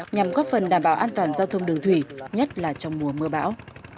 nhằm góp phần đảm bảo an toàn giao thông đường thủy nhất là trong mùa mưa bão